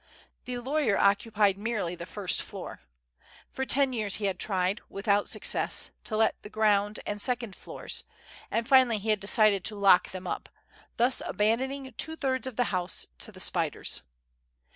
The lawyer occupied merely the first floor. For ten years he had tried, without success, to let the ground and 112 FREDERIC. second floors, and finally he had decided to lock them np, thus abandoning two thirds of the house to the spiders.